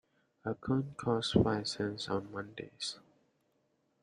A cone costs five cents on Mondays.